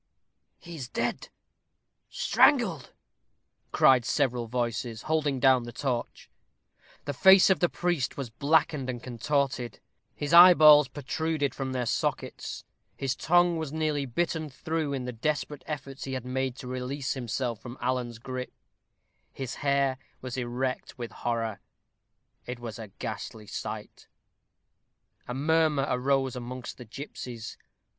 "He is dead strangled," cried several voices, holding down the torch. The face of the priest was blackened and contorted; his eyeballs protruded from their sockets; his tongue was nearly bitten through in the desperate efforts he had made to release himself from Alan's gripe; his hair was erect with horror. It was a ghastly sight. A murmur arose amongst the gipsies.